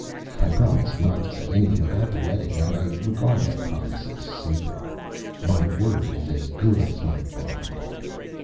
I promised not to say anything about the wedding, and I regard that promise as sacred my word is as good as my bond....